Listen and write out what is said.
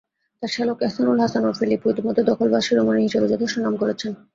তাঁর শ্যালক এহসানুল হাসান ওরফে নিপু ইতিমধ্যে দখলবাজ-শিরোমণি হিসেবে যথেষ্ট নাম করেছেন।